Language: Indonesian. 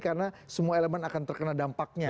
karena itu elemen akan terkena dampaknya